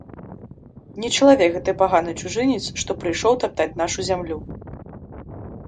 Не чалавек гэты паганы чужынец, што прыйшоў таптаць нашу зямлю!